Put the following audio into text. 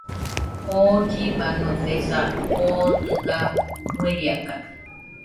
oo llibanotesa, oo dɨga ueriakade